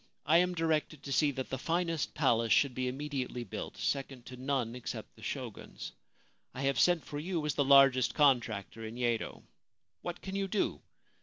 1 am directed to see that the finest palace should be immediately built, second to none except the Shogun's. I have sent for you as the largest contractor in Yedo. What can you do